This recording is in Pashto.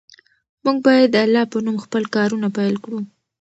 موږ باید د الله په نوم خپل کارونه پیل کړو.